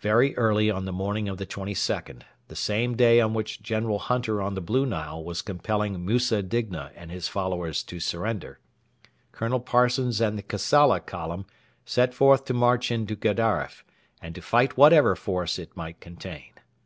Very early on the morning of the 22nd the same day on which General Hunter on the Blue Nile was compelling Musa Digna and his followers to surrender Colonel Parsons and the Kassala column set forth to march into Gedaref and to fight whatever force it might contain.